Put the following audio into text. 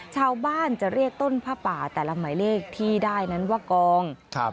ชาวบ้านจะเรียกต้นผ้าป่าแต่ละหมายเลขที่ได้นั้นว่ากองครับ